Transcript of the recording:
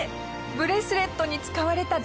ブレスレットに使われた。